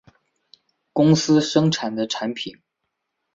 公司生产的产品